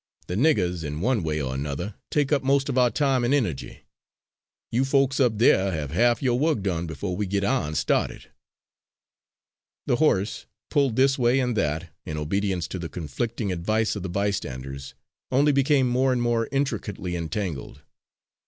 The niggers, in one way or another, take up most of our time and energy. You folks up there have half your work done before we get our'n started." The horse, pulled this way and that, in obedience to the conflicting advice of the bystanders, only became more and more intricately entangled.